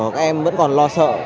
các em vẫn còn lo sợ